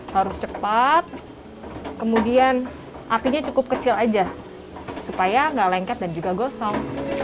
harus cepat kemudian apinya cukup kecil aja supaya nggak lengket dan juga gosong